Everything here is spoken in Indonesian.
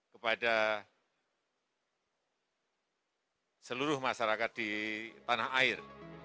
kepada seluruh masyarakat di tanah air